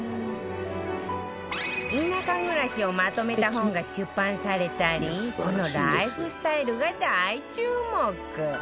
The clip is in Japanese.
田舎暮らしをまとめた本が出版されたりそのライフスタイルが大注目